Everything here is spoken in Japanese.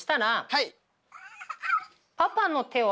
はい。